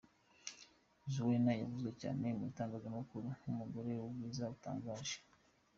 Zuena yavuzwe cyane mu itangazamakuru nk’umugore w’ubwiza butangaje.